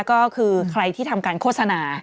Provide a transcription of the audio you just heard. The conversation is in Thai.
ก็คือใครที่ทำการโฆษณา